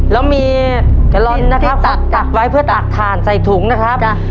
แล้วมีกะลอนนะครับตักไว้เพื่อตักถ่านใส่ถุงนะครับ